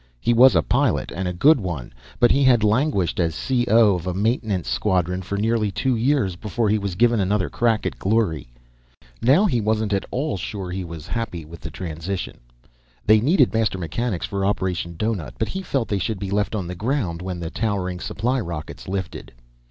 He was a pilot, and a good one, but he had languished as C.O. of a maintenance squadron for nearly two years before he was given another crack at glory. Now, he wasn't at all sure he was happy with the transition. They needed master mechanics for Operation Doughnut, but he felt they should be left on the ground when the towering supply rockets lifted.